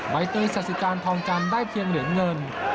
ใบตีสาธิการทองจันทร์ได้เพียงเหรียญเงิน